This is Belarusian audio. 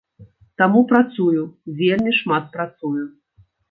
Таму працую, вельмі шмат працую.